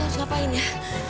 aku harus ngapain ya